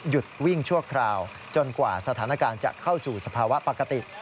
วิ่งชั่วคราวจนกว่าสถานการณ์จะเข้าสู่สภาวะปกติ